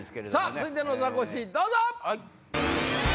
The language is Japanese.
続いてのザコシどうぞ！